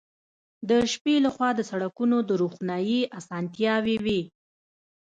د شپې له خوا د سړکونو د روښنايي اسانتیاوې وې